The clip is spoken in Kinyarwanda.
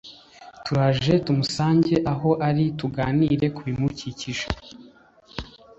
turaje tumusange aho ari tuganire ku bimukikije